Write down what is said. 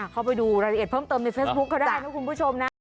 เข้าไปดูรายละเอียดเพิ่มเติมในเฟซบุ๊คเขาได้นะคุณผู้ชมนะ